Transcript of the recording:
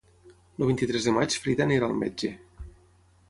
El vint-i-tres de maig na Frida irà al metge.